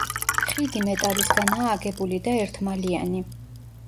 ხიდი მეტალისგანაა აგებული და ერთმალიანი.